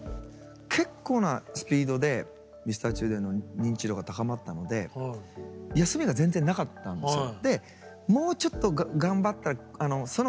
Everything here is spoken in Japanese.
結構なスピードでＭｒ．Ｃｈｉｌｄｒｅｎの認知度が高まったので休みが全然なかったんですよ。